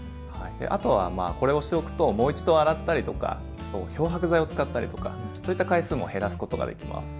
あとはまあこれをしておくともう一度洗ったりとか漂白剤を使ったりとかそういった回数も減らすことができます。